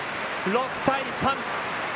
６対３！